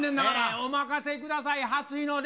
お任せください、初日の出。